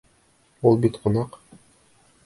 Ул бит ҡунаҡ!